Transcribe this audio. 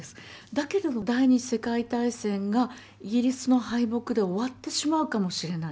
だけども第二次世界大戦がイギリスの敗北で終わってしまうかもしれない。